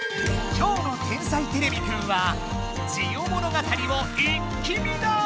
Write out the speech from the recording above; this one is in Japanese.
今日の「天才てれびくん」は「ジオ物語」を一気見だ！